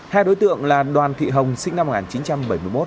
hai đối tượng là đoàn thị hồng sinh năm một nghìn chín trăm bảy mươi một